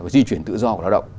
di chuyển tự do của lao động